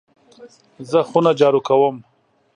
زه خونه جارو کوم .